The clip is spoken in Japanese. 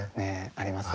ありますね。